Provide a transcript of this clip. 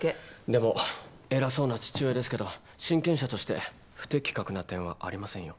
でも偉そうな父親ですけど親権者として不適格な点はありませんよ。